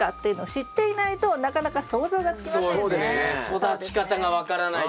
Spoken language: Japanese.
育ち方が分からないとな。